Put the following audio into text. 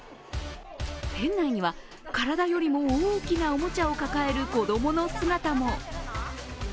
店内には体よりも大きなおもちゃを抱える子供の姿も。